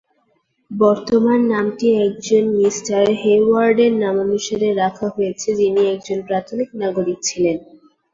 বর্তমান নামটি একজন মিঃ হেওয়ার্ডের নামানুসারে রাখা হয়েছে, যিনি একজন প্রাথমিক নাগরিক ছিলেন।